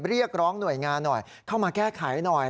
เรียกร้องหน่วยงานหน่อยเข้ามาแก้ไขหน่อย